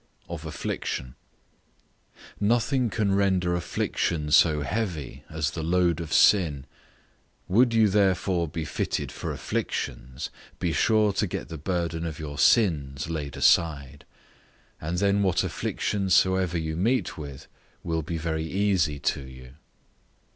OF AFFLICTION. Nothing can render affliction so heavy as the load of sin; would you therefore be fitted for afflictions, be sure to get the burden of your sins laid aside, and then what afflictions soever you meet with will be very easy to you.